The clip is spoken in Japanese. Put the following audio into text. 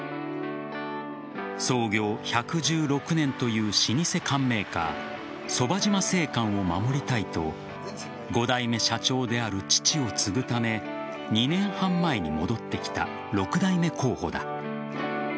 創業１１６年という老舗缶メーカー側島製缶を守りたいと５代目社長である父を継ぐため２年半前に戻ってきた６代目候補だ。